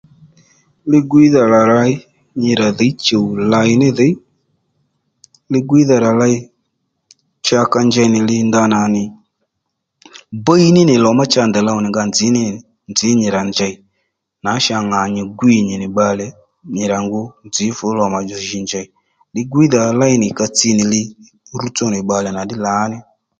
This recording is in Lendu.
Li-gwiydha rà ley nyi rà dhǐy chùw lèy ní dhǐy li-gwiydha rà ley cha ka njey nì li ndanà nì bíy ní nì lò má cha ndèy low nì nga nzǐ nì nzǐ nyi rà njèy ma cha ŋà nyì gwǐ nyì nì bbalè nyì rà ngu nzǐ fǔchú lò mà jì njèy lì-gwíydha rà léy ka tsi nì li rútsó nì bbalè nà ddí lǎní